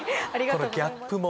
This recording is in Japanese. このギャップも。